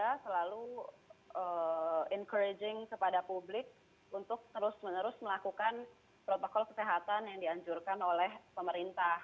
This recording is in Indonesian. kita selalu encouraging kepada publik untuk terus menerus melakukan protokol kesehatan yang dianjurkan oleh pemerintah